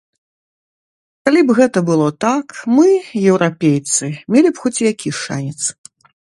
Калі б гэта было так, мы, еўрапейцы, мелі б хоць які шанец.